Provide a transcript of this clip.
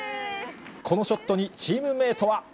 このショットに、チームメートは。